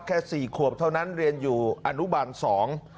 แค่สี่ขวบเท่านั้นเรียนอยู่อนุบาลสอง